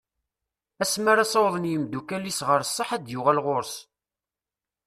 Asma ara sawḍen i umddakel-is ɣer sseḥ ad d-yuɣal ɣur-s.